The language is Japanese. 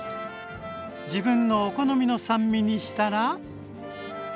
自分のお好みの酸味にしたら。